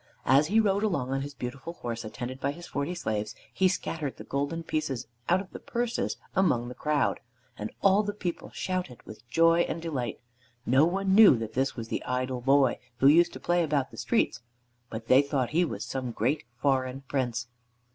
As he rode along on his beautiful horse, attended by his forty slaves, he scattered the golden pieces out of the ten purses among the crowd, and all the people shouted with joy and delight. No one knew that this was the idle boy who used to play about the streets but they thought he was some great foreign Prince.